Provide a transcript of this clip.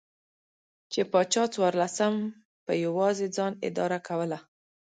چې پاچا څوارلسم په یوازې ځان اداره کوله.